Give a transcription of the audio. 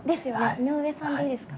「井上さん」でいいですか？